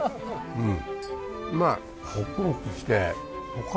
うん。